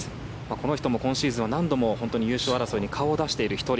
この人も今シーズンは何度も優勝争いに顔を出している１人。